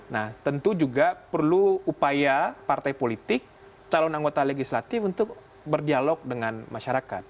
nah tentu juga perlu upaya partai politik calon anggota legislatif untuk berdialog dengan masyarakat